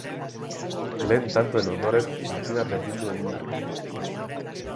Lehen tantoen ondoren, partida berdindu egin da.